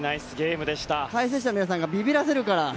解説者の皆さんがビビらせるから！